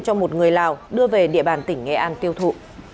cho một người lào đưa về địa bàn tỉnh nghệ an tiêu thụ